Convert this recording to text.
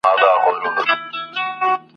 د نورو تر شعرونو هم مغلق سي !.